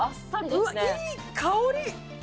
うわいい香り！